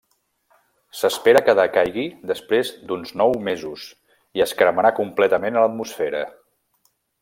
S'espera que decaigui després d'uns nous mesos i es cremarà completament a l'atmosfera.